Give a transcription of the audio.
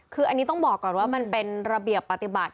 คืออันนี้ต้องบอกก่อนว่ามันเป็นระเบียบปฏิบัติ